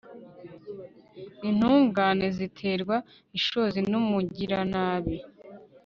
intungane ziterwa ishozi n'umugiranabi